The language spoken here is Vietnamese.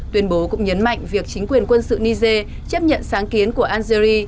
tuyên bố cũng nhấn mạnh việc chính quyền quân sự niger chấp nhận sáng kiến của algeria